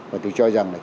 và tôi cho rằng là